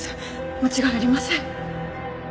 間違いありません。